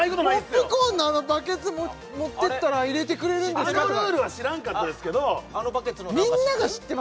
ポップコーンのあのバケツ持ってったら入れてくれるんですか？とかあのルールは知らんかったですけどあのバケツの何か知ってる？